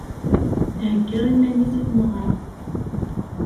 Thegga iman-is i tmeɣra.